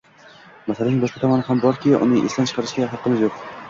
Masalaning boshqa tomoni ham borki, uni esdan chiqarishga haqqimiz yo‘q